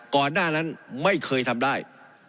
ก่อนหน้านั้นไม่เคยทำได้